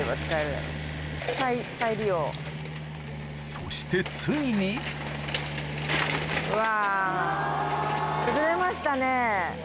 そしてついにうわ。